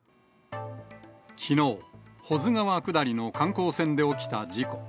きのう、保津川下りの観光船で起きた事故。